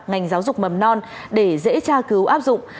ngành giáo dục mầm non để dễ tra cứu áp dụng